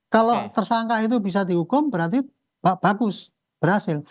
kalau tersangka itu bisa dihukum berarti bagus berhasil